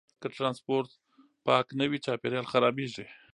که ټرانسپورټ پاک نه وي، چاپیریال خرابېږي.